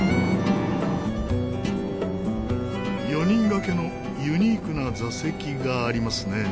４人がけのユニークな座席がありますね。